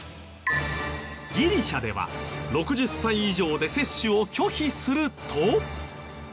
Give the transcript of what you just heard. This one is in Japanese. ギリシャでは６０歳以上で接種を拒否すると。